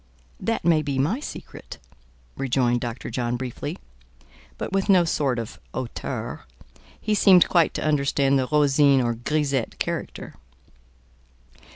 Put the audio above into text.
"That may be my secret," rejoined Dr. John briefly, but with no sort of hauteur: he seemed quite to understand the Rosine or grisette character.